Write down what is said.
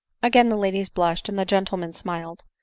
Again the ladies blushed, and the gentlemen smiled.